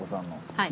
はい。